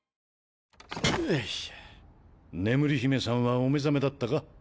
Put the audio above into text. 眠り姫さんはお目覚めだったか？